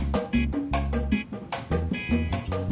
kita harus left behind